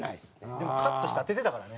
でもカットして当ててたからね。